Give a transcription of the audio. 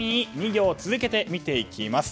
２行続けて見ていきます。